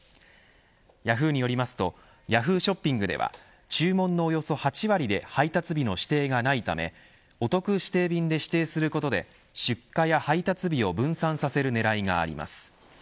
ヤフーによりますとＹａｈｏｏ！ショッピングでは注文のおよそ８割で配達日の指定がないためおトク指定便で指定することで出荷や配達日を分散させる狙いがあります。